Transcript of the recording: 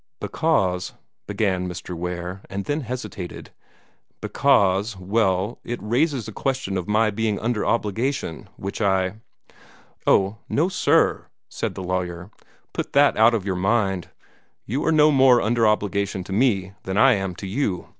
"Because " began Mr. Ware, and then hesitated "because well, it raises a question of my being under obligation, which I " "Oh, no, sir," said the lawyer; "put that out of your mind. You are no more under obligation to me than I am to you.